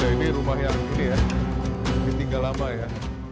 ini rumah yang gini ya ditinggal lama ya